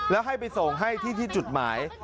แล้วให้ไปส่งให้ที่จุดหมาย